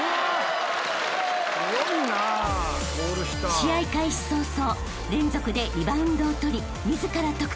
［試合開始早々連続でリバウンドを取り自ら得点］